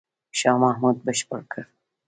شاه محمود بشپړ کړ.